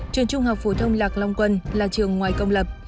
trường trung học phổ thông lạc long quân là trường ngoài công lập